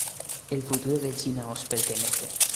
El futuro de China os pertenece".